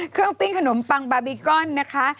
เครื่องปิ้งขนมปังบาร์บีกอลนะคะ